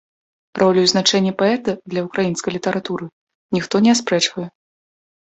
Ролю і значэнне паэта для ўкраінскай літаратуры ніхто не аспрэчвае.